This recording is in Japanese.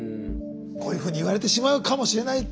こういうふうに言われてしまうかもしれないと。